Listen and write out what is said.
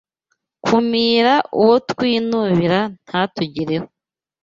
Kumira uwo twinubira ntatugereho